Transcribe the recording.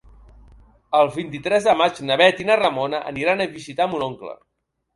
El vint-i-tres de maig na Bet i na Ramona aniran a visitar mon oncle.